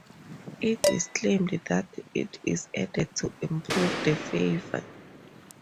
It is claimed that it is added to improve the flavor.